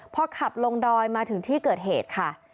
พอขับลงดอยมาถึงที่เกิดเหตุค่ะ